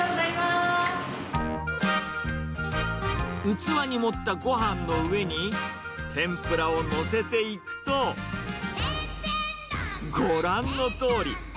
器に盛ったごはんの上に、天ぷらを載せていくと、ご覧のとおり。